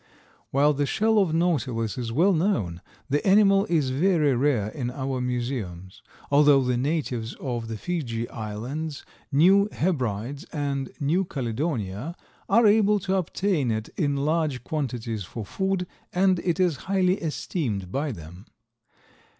While the shell of Nautilus is well known the animal is very rare in our museums, although the natives of the Fiji Islands, New Hebrides and New Caledonia are able to obtain it in large quantities for food and it is highly esteemed by them.